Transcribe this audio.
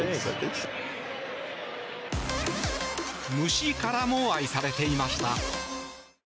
虫からも愛されていました。